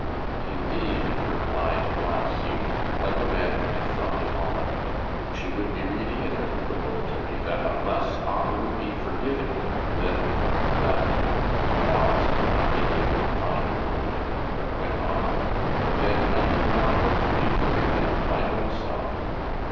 "Indeed," replied Black Hugh, like a man who had thought it all out, "she would be reading it out of the Book to me that unless I would be forgiving, that that " he paused, not being able to find a word, but went on "then I need not hope to be forgiven my own self."